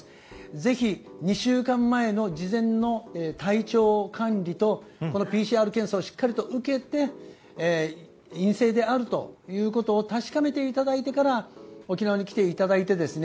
ぜひ、２週間前の事前の体調管理とＰＣＲ検査をしっかりと受けて陰性であるということを確かめていただいてから沖縄に来ていただいてですね。